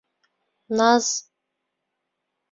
Наз...